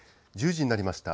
１０時になりました。